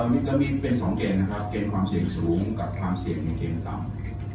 อันนี้ก็มีเป็น๒เกณฑ์นะครับเกณฑ์ความเสี่ยงสูงกับความเสี่ยงในเกณฑ์ต่ำ